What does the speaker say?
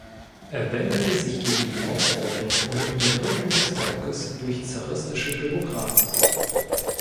Er wendete sich gegen die Ausbeutung und Unterdrückung des Volkes durch zaristische Bürokraten.